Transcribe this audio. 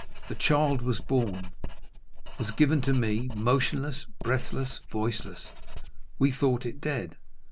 The child was born, was given to me—motionless, breathless, voiceless; we thought it dead."